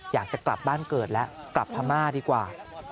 อยากจะกลับบ้านเกิดแล้วกลับพม่าดีกว่า